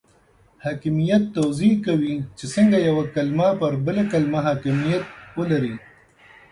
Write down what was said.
حاکمیت توضیح کوي چې څنګه یوه کلمه پر بله کلمه حاکمیت ولري.